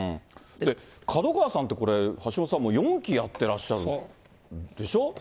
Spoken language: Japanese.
門川さんって橋下さん、もう４期やってらっしゃるんでしょ。でしょ？